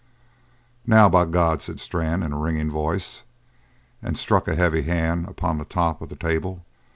"Now, by God!" said Strann in a ringing voice, and struck a heavy hand upon the top of the table.